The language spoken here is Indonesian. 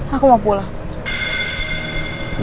aku mau pulang